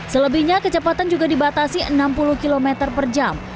selebihnya kecepatan juga dibatasi enam puluh km per jam